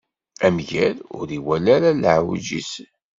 Amger ur iwala ara leɛwej-is.